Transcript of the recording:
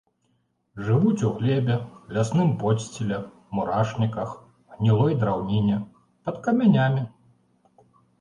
Жывуць у глебе, лясным подсціле, мурашніках, гнілой драўніне, пад камянямі.